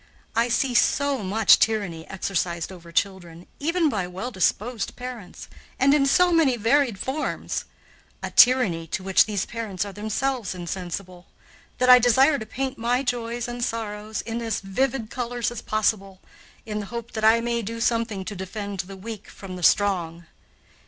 I see so much tyranny exercised over children, even by well disposed parents, and in so many varied forms, a tyranny to which these parents are themselves insensible, that I desire to paint my joys and sorrows in as vivid colors as possible, in the hope that I may do something to defend the weak from the strong.